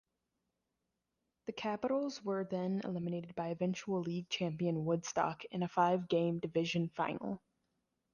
The Capitals were then eliminated by eventual league-champion Woodstock in a five-game division final.